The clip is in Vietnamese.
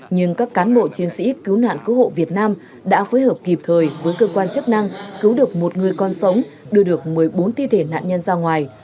nhưng các cán bộ chiến sĩ cứu nạn cứu hộ việt nam đã phối hợp kịp thời với cơ quan chức năng cứu được một người con sống đưa được một mươi bốn thi thể nạn nhân ra ngoài